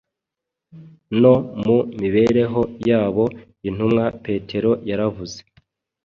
no mu mibereho yabo. Intumwa Petero yaravuze